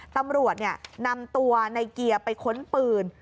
ตำรวจนำตัวในเกียร์ไปค้นปืน